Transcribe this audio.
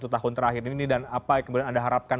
satu tahun terakhir ini dan apa yang kemudian anda harapkan